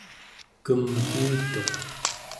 kemgiutuq